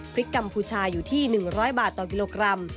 กัมพูชาอยู่ที่๑๐๐บาทต่อกิโลกรัม